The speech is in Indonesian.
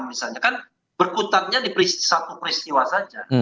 misalnya kan berkutannya satu peristiwa saja